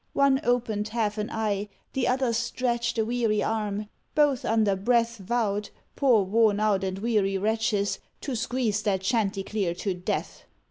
One opened half an eye; the other stretched A weary arm; both, under breath, Vowed (poor worn out and weary wretches!) To squeeze that Chanticleer to death.